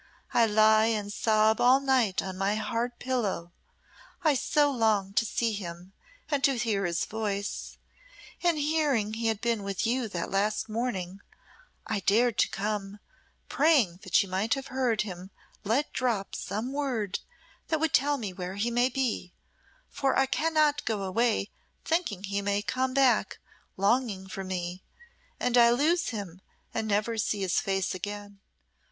I lie and sob all night on my hard pillow I so long to see him and to hear his voice and hearing he had been with you that last morning, I dared to come, praying that you might have heard him let drop some word that would tell me where he may be, for I cannot go away thinking he may come back longing for me and I lose him and never see his face again.